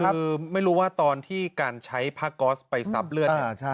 คือไม่รู้ว่าตอนที่การใช้พระกอสไปสับเลือด